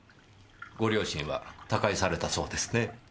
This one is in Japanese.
ご両親は他界されたそうですね。